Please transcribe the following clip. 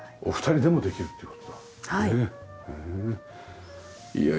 お二人でもできるっていう事だ。